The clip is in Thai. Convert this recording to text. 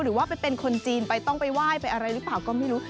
หรือว่าไปเป็นคนจีนไปต้องไปไหว้ไปอะไรหรือเปล่าก็ไม่รู้